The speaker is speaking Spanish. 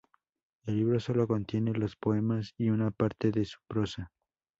El libro solo contiene los poemas y una parte de su prosa.